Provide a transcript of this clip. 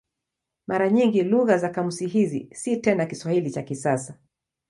Mara nyingi lugha ya kamusi hizi si tena Kiswahili cha kisasa.